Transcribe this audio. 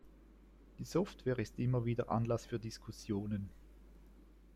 Die Software ist immer wieder Anlass für Diskussionen.